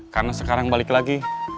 karena sekarang balik lagi